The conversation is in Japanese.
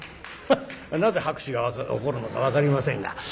なぜ拍手が起こるのか分かりませんが。